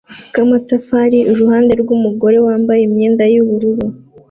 k'amatafari iruhande rw'umugore wambaye imyenda y'ubururu